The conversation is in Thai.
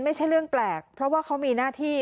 ไม่ใช่เรื่องแปลกเพราะว่าเขามีหน้าที่